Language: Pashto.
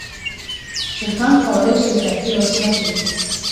چرګان کولی شي د تفریح وسیله شي.